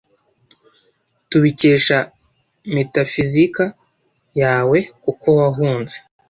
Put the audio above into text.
tubikesha metafizika yawe kuko wahunze